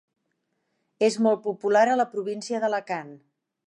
És molt popular a la província d'Alacant.